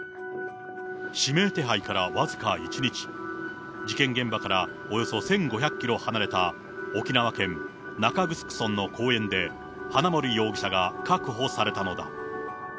指名手配から僅か１日、事件現場からおよそ１５００キロ離れた沖縄県中城村の公園で、花森容疑者が確保されたのだ。